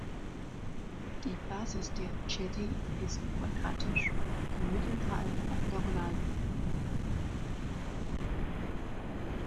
Die Basis der Chedi ist quadratisch, der Mittelteil oktogonal.